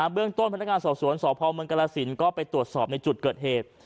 เรื่องต้นพนักงานสอบสวนสพเมืองกรสินก็ไปตรวจสอบในจุดเกิดเหตุ